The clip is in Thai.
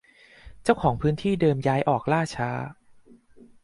เจ้าของพื้นที่เดิมย้ายออกล่าช้า